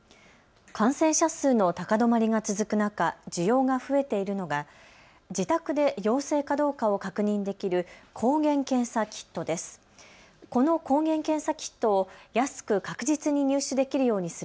感染者数の高止まりが続く中、需要が増えているのが自宅で陽性かどうかを確認できる抗原検査キットです。